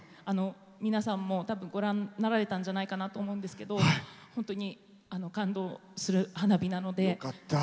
皆さんも多分ご覧になられたんじゃないかと思うんですけど本当に感動する花火なので。